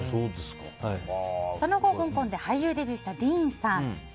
その後、香港で俳優デビューしたディーンさん。